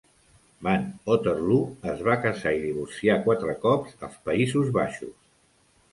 Van Otterloo es va casar i divorciar quatre cops als Països Baixos.